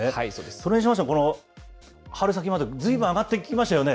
それにしましても、この春先までずいぶん上がってきましたね。